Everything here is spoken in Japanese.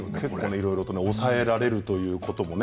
いろいろと抑えられるということもね